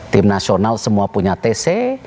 tim nasional semua punya tc